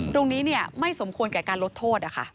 ตรงนี้เนี่ยไม่สมควรแก่การลดโทษอะค่ะ